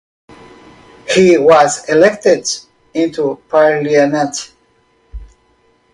He was elected into parliament.